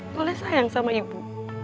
boleh sayang sama ibu